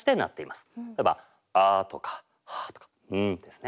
例えば「あ」とか「は」とか「ん」ですね。